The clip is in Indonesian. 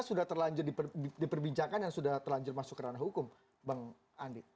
sudah terlanjur diperbincangkan dan sudah telanjur masuk ke ranah hukum bang andi